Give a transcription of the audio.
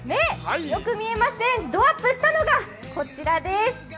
よく見えません、ドアップしたのがこちらです。